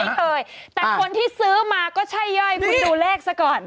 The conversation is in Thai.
ไม่เคยแต่คนที่ซื้อมาก็ใช่ย่อยคุณดูเลขซะก่อน